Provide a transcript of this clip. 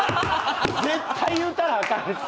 絶対言うたらあかんし。